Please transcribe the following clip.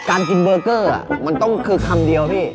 การกินเบอร์เกอร์มันต้องคือคำเดียวพี่